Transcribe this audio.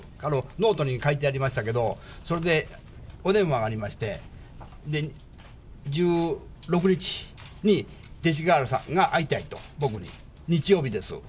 ノートに書いてありましたけど、それでお電話がありまして、１６日に勅使河原さんが会いたいと、僕に、日曜日です。